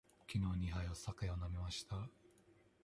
きのう二杯お酒を飲みました。